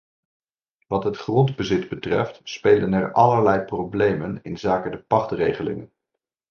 Wat het grondbezit betreft spelen er allerlei problemen inzake de pachtregelingen.